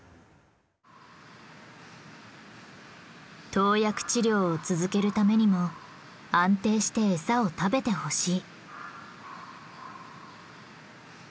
投薬治療を続けるためにも安定して餌を食べてほしい。